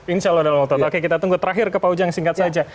insya allah dalam waktu dekat oke kita tunggu terakhir ke pau jang singkat saja